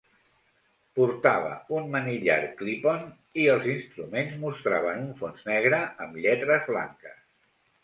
Portava un manillar clip-on i els instruments mostraven un fons negre amb lletres blanques.